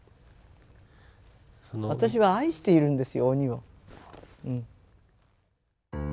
私は愛しているんですよ鬼を。